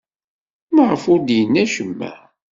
Maɣef ur d-yenni acemma?